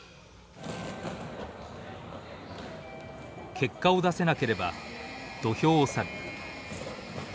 結果を出せなければ土俵を去る。